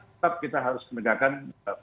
tetap kita harus menegakkan